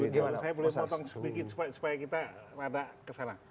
tapi saya boleh potong sedikit supaya kita pada kesana